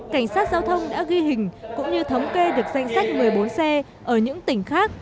cảnh sát giao thông đã ghi hình cũng như thống kê được danh sách một mươi bốn xe ở những tỉnh khác